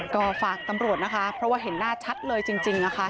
ก็ฝากตำรวจนะคะเพราะว่าเห็นหน้าชัดเลยจริงนะคะ